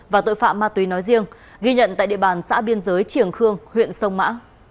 và tội phạm ma túy nói riêng ghi nhận tại địa bàn xã biên giới triềng khương huyện sông mã